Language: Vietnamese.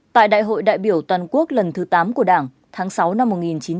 tại đại hội đại biểu toàn quốc lần thứ tám của đảng tháng sáu năm một nghìn chín trăm bảy mươi năm